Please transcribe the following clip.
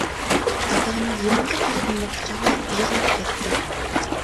دادام يېنىمغا كېلىپ مېنى قۇچاقلاپ يىغلاپ كەتتى.